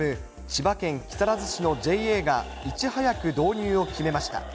千葉県木更津市のＪＡがいち早く導入を決めました。